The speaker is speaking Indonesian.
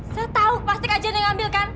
saya tau pasti kajiannya yang ngambilkan